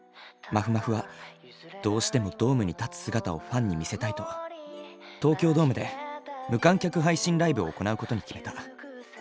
まふまふはどうしてもドームに立つ姿をファンに見せたいと東京ドームで無観客配信ライブを行うことに決めた。